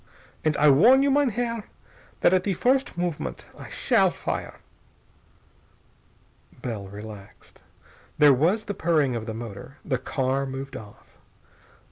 And I warn you, mein Herr, that at the first movement I shall fire." Bell relaxed. There was the purring of the motor. The car moved off.